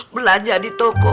belanja di toko